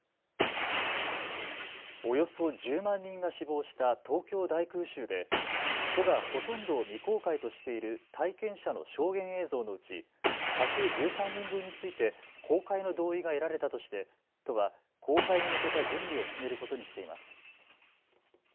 およそ１０万人が死亡した東京大空襲で都がほとんどを未公開としている体験者の証言映像のうち１１３人分について公開の同意が得られたとして都は公開に向けた準備を進めることにしています。